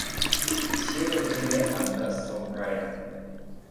І сілы у цябе аддасца утрая.